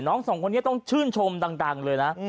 สองคนนี้ต้องชื่นชมดังเลยนะ